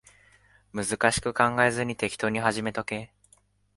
難しく考えずに適当に始めとけ